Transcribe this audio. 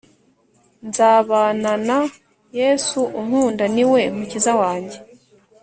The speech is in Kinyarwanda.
Nzabanana Yesu unkunda ni we Mukiza wanjye